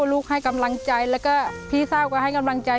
ลูกให้กำลังใจแล้วก็พี่ทราบก็ให้กำลังใจ